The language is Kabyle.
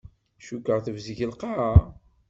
Cukkeɣ tebzeg lqaɛa.